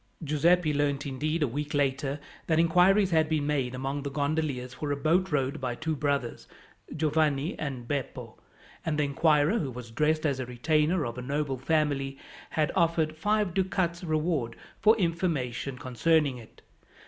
Giuseppi learned indeed, a week later, that inquiries had been made among the gondoliers for a boat rowed by two brothers, Giovanni and Beppo; and the inquirer, who was dressed as a retainer of a noble family, had offered five ducats reward for information concerning it.